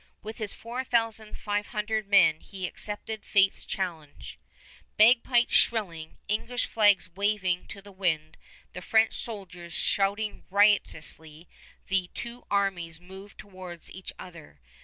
With his four thousand five hundred men he accepted fate's challenge. Bagpipes shrilling, English flags waving to the wind, the French soldiers shouting riotously, the two armies moved towards each other.